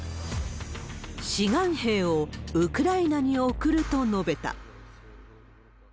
志願兵をウクライナに送ると述べた。